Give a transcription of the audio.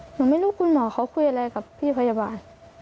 หนูไม่รู้คุณหมอเขาคุยอะไรกับพี่พยาบาล